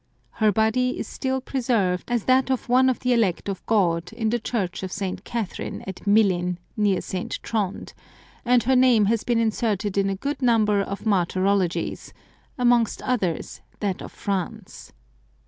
Her body is still preserved as that of one of the elect of God in the Church of St. Catherine at Milin, near St. Trond ; and her name has been inserted in a good number of martyrologies — amongst others, that of France.